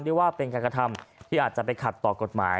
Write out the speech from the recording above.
ได้ว่าเป็นการกระทำที่อาจจะไปขัดต่อกฎหมาย